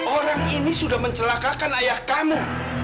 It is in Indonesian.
orang ini sudah mencelakakan ayah kamu